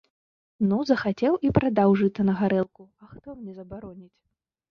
Ну, захацеў і прадаў жыта на гарэлку, а хто мне забароніць?